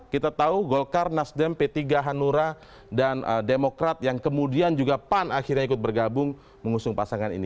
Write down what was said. kita tahu golkar nasdem p tiga hanura dan demokrat yang kemudian juga pan akhirnya ikut bergabung mengusung pasangan ini